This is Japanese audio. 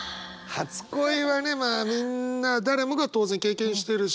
初恋はねまあみんな誰もが当然経験してるし。